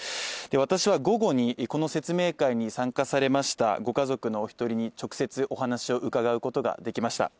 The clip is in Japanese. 私は午後にこの説明会に参加されましたご家族の１人に直接お話を伺うことができました